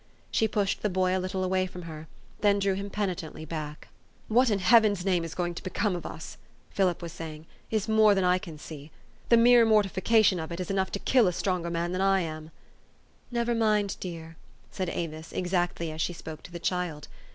She pushed the boy a little away from her, then drew him penitently back. " What in Heaven's name is going to become of us," Philip was saying, "is more than I can see. The mere mortification of it is enough to kill a stronger man than I am." "Never mind, dear," said Avis, exactly as she spoke to the child.